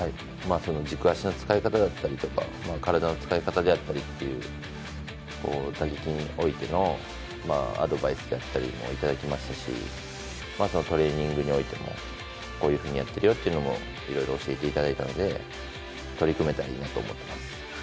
軸足の使い方だったり体の使い方だったりっていう打撃においてのアドバイスであったりもいただきましたしトレーニングにおいてもこういうふうにやっているよというのもいろいろ教えていただいたので取り組めたらいいなと思います。